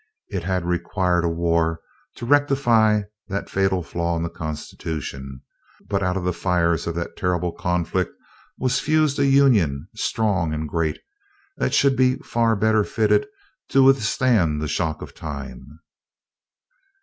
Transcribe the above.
It had required a War to rectify that fatal flaw in the Constitution, but out of the fires of that terrible conflict was fused a Union "strong and great," that should be far better fitted to withstand the shock of Time.